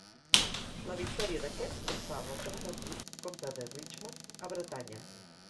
La victòria d'aquest forçà el retorn d'Enric, comte de Richmond, a Bretanya.